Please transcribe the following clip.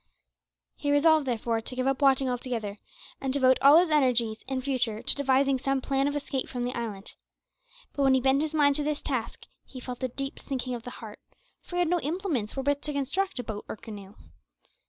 He resolved, therefore, to give up watching altogether, and to devote all his energies in future to devising some plan of escape from the island, but when he bent his mind to this task he felt a deep sinking of the heart, for he had no implements wherewith to construct a boat or canoe.